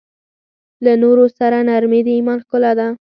له نورو سره نرمي د ایمان ښکلا ده.